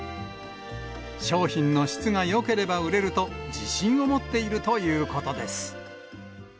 商品の質がよければ売れると、自信を持っているということです。